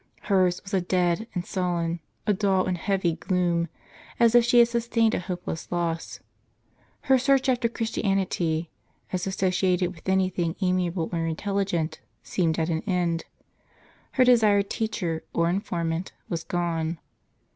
Hers was a dead and sullen, a dull and heavy gloom, as if she had sus tained a hopeless loss. Her search after Christianity, as associated with anything amiable or intelligent, seemed at an end. Her desired teacher, or informant, was gone.